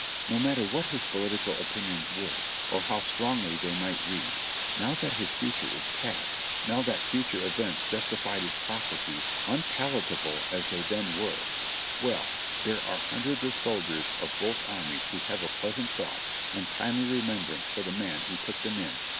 No matter what his political opinions were or how strongly they might read, now that his future is past, — now that future events justified his prophecies, unpalatable as they then were, — well ! there are hundreds of soldiers of both armies who have a pleasant thought and kindly remembrance for the man who took them in.